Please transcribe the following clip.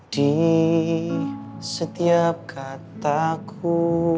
di setiap kataku